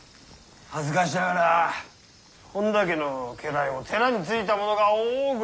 恥ずかしながら本多家の家来も寺についた者が多ございまして。